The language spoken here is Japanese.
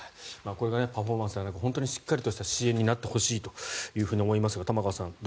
これがパフォーマンスではなくしっかりした支援になってほしいと思いますが玉川さん